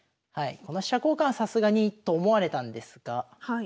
この飛車交換はさすがにと思われたんですが。